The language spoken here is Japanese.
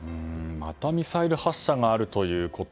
またミサイル発射があるということ。